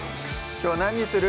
きょう何にする？